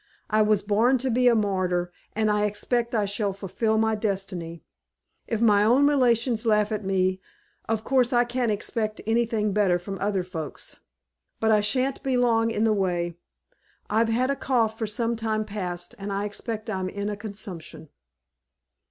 I was born to be a martyr, and I expect I shall fulfil my destiny. If my own relations laugh at me, of course I can't expect anything better from other folks. But I sha'n't be long in the way. I've had a cough for some time past, and I expect I'm in a consumption."